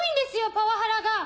パワハラが！